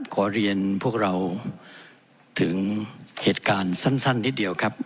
ขอเรียนพวกเราถึงเหตุการณ์สั้นนิดเดียวครับ